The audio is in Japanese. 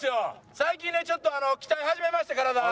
最近ねちょっと鍛え始めまして体。